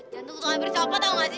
jantung tuh hampir copot tau gak sih